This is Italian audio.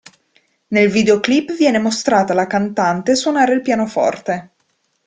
Nel videoclip viene mostrata la cantante suonare il pianoforte.